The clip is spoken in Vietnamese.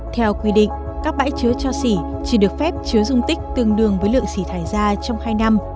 theo quy định các bãi chứa cho xỉ chỉ được phép chứa dung tích tương đương với lượng xỉ thải ra trong hai năm